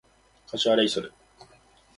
柏レイソル